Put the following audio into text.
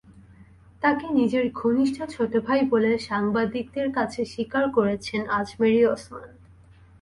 তাঁকে নিজের ঘনিষ্ঠ ছোট ভাই বলে সাংবাদিকদের কাছে স্বীকার করেছেন আজমেরী ওসমান।